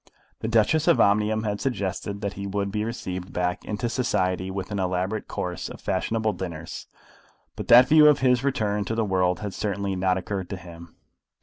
The Duchess of Omnium had suggested that he would be received back into society with an elaborate course of fashionable dinners; but that view of his return to the world had certainly not occurred to him.